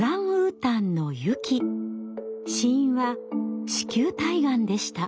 死因は子宮体がんでした。